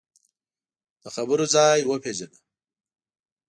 د خبرو ځای وپېژنه